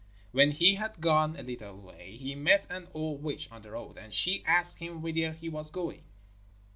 When he had gone a little way he met an old witch on the road, and she asked him whither he was going.